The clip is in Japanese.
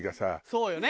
そうよね！